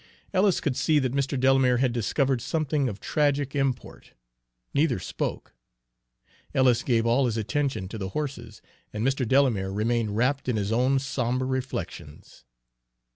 Ellis could see that Mr. Delamere had discovered something of tragic import. Neither spoke. Ellis gave all his attention to the horses, and Mr. Delamere remained wrapped in his own sombre reflections.